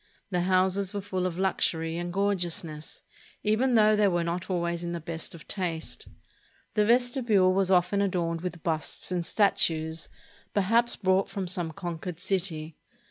The houses were full of luxury and gorgeousness, even though they were not always in the best of taste. The vestibule was often adorned with busts and statues, perhaps brought from some conquered city.